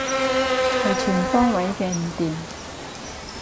係全方位嘅唔掂